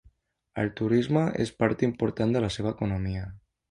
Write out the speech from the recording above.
El Turisme és part important de la seva economia.